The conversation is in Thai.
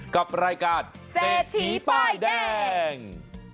กับรายการเศรษฐีป้ายแดง